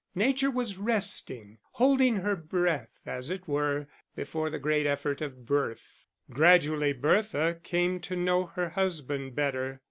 Nature was resting; holding her breath, as it were, before the great effort of birth. Gradually Bertha came to know her husband better.